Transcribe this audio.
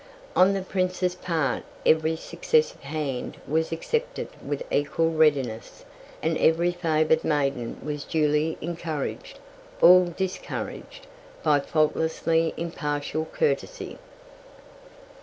On the Prince's part every successive hand was accepted with equal readiness, and every favoured maiden was duly encouraged, or discouraged, by faultlessly impartial courtesy.